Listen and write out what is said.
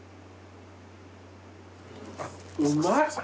うまい！